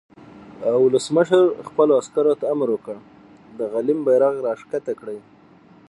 رئیس جمهور خپلو عسکرو ته امر وکړ؛ د غلیم بیرغ راکښته کړئ!